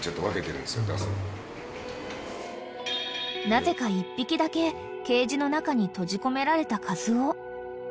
［なぜか一匹だけケージの中に閉じ込められたカズオ］